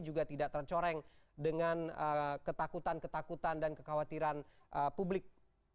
juga tidak tercoreng dengan ketakutan ketakutan dan kekhawatiran publik